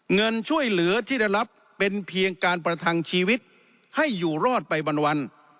เงินช่วยเหลือที่ได้รับเป็นเพียงการประทังชีวิตให้อยู่รอดไปวัน